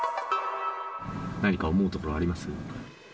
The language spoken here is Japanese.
何か思うところはあります？